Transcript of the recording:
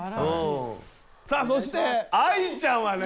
さあそしてＡＩちゃんはね